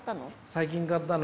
最近買ったの。